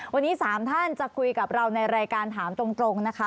วันนี้๓ท่านจะคุยกับเราในรายการถามตรงนะคะ